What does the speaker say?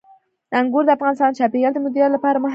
انګور د افغانستان د چاپیریال د مدیریت لپاره مهم دي.